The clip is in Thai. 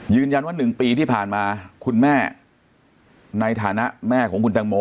ยืนยันว่าหนึ่งปีที่ผ่านมาคุณแม่ในฐานะแม่ของคุณแต่งโม